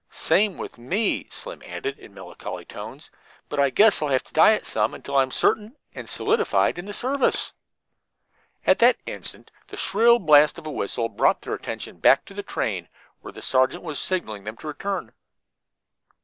"Same with me," Slim added in melancholy tones; "but I guess I'll have to diet some until I'm sure, certain, and solidified in the service." At that instant the shrill blast of a whistle brought their attention back to the train, where the sergeant was signaling them to return.